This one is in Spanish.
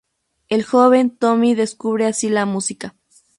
El joven Tommy descubre así la música.